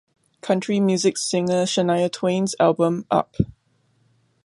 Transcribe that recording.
Country music singer Shania Twain's album Up!